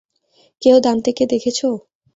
কেউ দান্তেকে দেখেছ?